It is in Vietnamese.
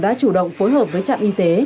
đã chủ động phối hợp với trạm y tế